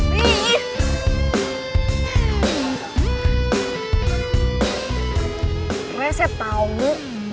pokoknya saya tahu